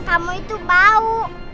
kamu itu bau